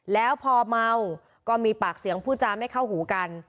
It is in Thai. แล้วพอเมาก็มีปากเสียงพูดจาไม่เข้าหูกัน